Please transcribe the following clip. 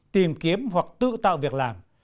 tìm kiếm hoặc tự tạo việc làm